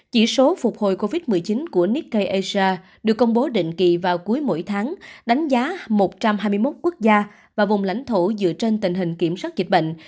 chỉ số phục hồi covid một mươi chín của nikkei asia được công bố định kỳ vào cuối mỗi tháng đánh giá một trăm hai mươi một quốc gia và vùng lãnh thổ dựa trên tình hình kiểm soát dịch bệnh